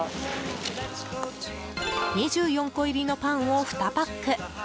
２４個入りのパンを２パック。